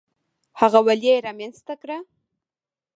هغه ولې یې رامنځته کړه؟